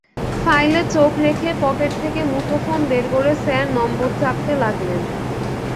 ফাইলে চোখ রেখে পকেট থেকে মুঠোফোন বের করে স্যার নম্বর চাপতে লাগলেন।